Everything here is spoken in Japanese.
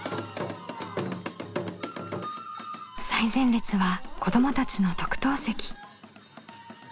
最前列は子どもたちの特等席。